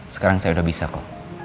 sekarang saya udah bisa kok